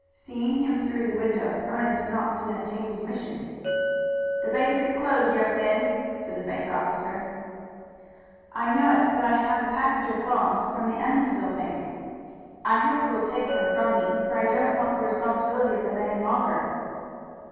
Seeing him through the window, Ernest knocked and obtained admission. "The bank is closed, young man," said the bank officer. "I know it, but I have a package of bonds from the bank in Emmonsville. I hope you will take them from me, for I don't want the responsibility of them any longer."